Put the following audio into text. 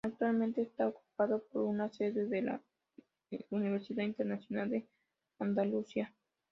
Actualmente está ocupado por una sede de la Universidad Internacional de Andalucía.